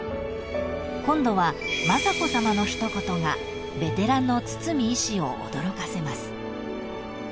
［今度は雅子さまの一言がベテランの堤医師を驚かせます］